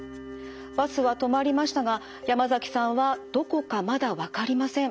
バスは止まりましたが山崎さんはどこかまだわかりません。